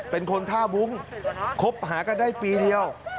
เป็นคนท่าวุ้งคบหากันได้ปีเดียว